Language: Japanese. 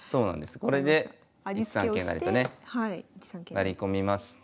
成り込みまして。